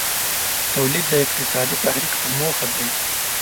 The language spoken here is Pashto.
تولید د اقتصادي تحرک په موخه دی.